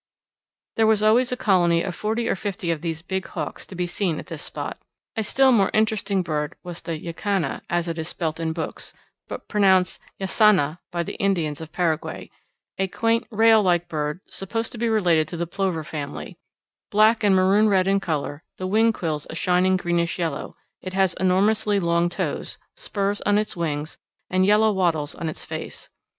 There was always a colony of forty or fifty of these big hawks to be seen at this spot. A still more interesting bird was the jacana, as it is spelt in books, but pronounced ya sa NA by the Indians of Paraguay, a quaint rail like bird supposed to be related to the plover family: black and maroon red in colour, the wing quills a shining greenish yellow, it has enormously long toes, spurs on its wings, and yellow wattles on its face.